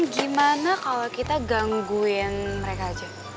gimana kalau kita gangguin mereka aja